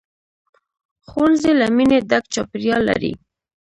ښوونځی له مینې ډک چاپېریال لري